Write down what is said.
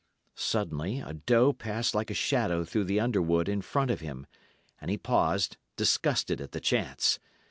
Suddenly a doe passed like a shadow through the underwood in front of him, and he paused, disgusted at the chance.